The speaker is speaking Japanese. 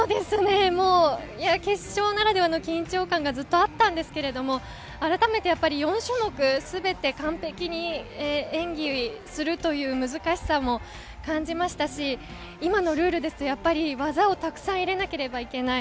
決勝ならではの緊張感がずっとあったんですけれど、あらためて４種目すべて完璧に演技するという難しさも感じましたし、今のルールですと技をたくさん入れなければいけない。